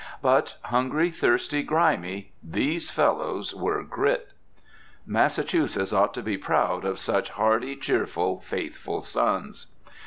But, hungry, thirsty, grimy, these fellows were GRIT. Massachusetts ought to be proud of such hardy, cheerful, faithful sons.